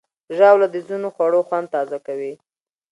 ژاوله د ځینو خوړو خوند تازه کوي.